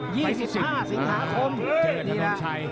เจอให้ถนนชัย